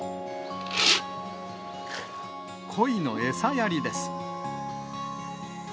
コイの餌やりです。